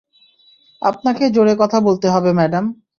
আপনাকে জোরে কথা বলতে হবে, ম্যাডাম।